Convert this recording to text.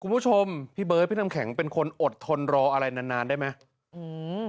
คุณผู้ชมพี่เบิร์ดพี่น้ำแข็งเป็นคนอดทนรออะไรนานนานได้ไหมอืม